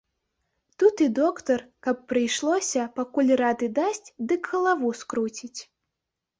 Тут і доктар, каб прыйшлося, пакуль рады дасць, дык галаву скруціць.